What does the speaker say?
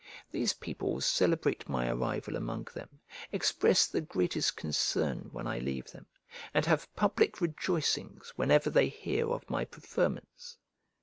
These people celebrate my arrival among them, express the greatest concern when I leave them, and have public rejoicings whenever they hear of my preferments.